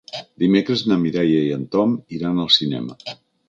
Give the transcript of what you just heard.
Dimecres na Mireia i en Tom iran al cinema.